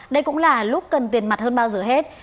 đây cũng là lúc cần tiền mặt hơn bao giờ hết